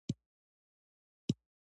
عمر فاروق په عدل او انصاف کي ضَرب مثل دی